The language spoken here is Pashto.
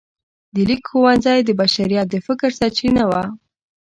د لیک ښوونځی د بشریت د فکر سرچینه وه.